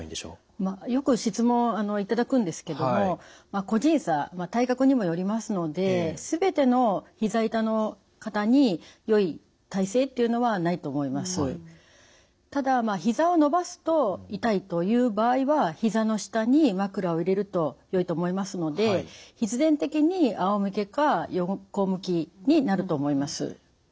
まあよく質問頂くんですけども個人差体格にもよりますのでただひざを伸ばすと痛いという場合はひざの下に枕を入れるとよいと思いますので必然的にあおむけか横向きになると思います。